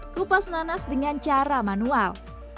kupas nanas dengan cara manual